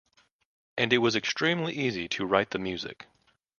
And it was extremely easy to write the music.